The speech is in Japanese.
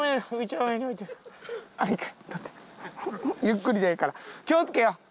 ゆっくりでええから気をつけよ。